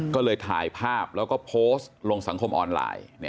ก็เลยถ่ายภาพแล้วก็โพสต์ลงสังคมออนไลน์